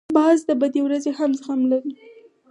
باز د بدې ورځې هم زغم لري